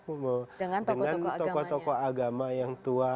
dengan tokoh tokoh agama yang tua